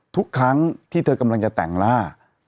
ทุกครั้งที่เธอกำลังจะแต่งหน้า